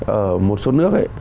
ở một số nước